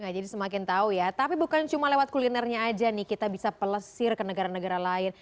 jadi semakin tahu ya tapi bukan cuma lewat kulinernya aja nih kita bisa pelesir ke negara negara lain